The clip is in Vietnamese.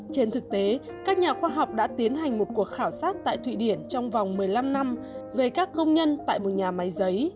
trên thực tế các nhà khoa học đã tiến hành một cuộc khảo sát tại thụy điển trong vòng một mươi năm năm về các công nhân tại một nhà máy giấy